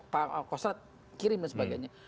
pak kosrat kirim dan sebagainya